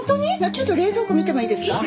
ちょっと冷蔵庫見てもいいですか？